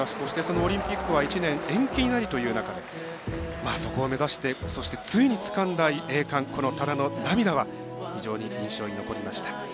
オリンピックは１年延期になるという中でそこを目指してついにつかんだ栄冠多田の涙は非常に印象に残りました。